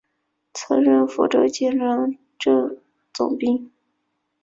曾任福建漳州镇总兵。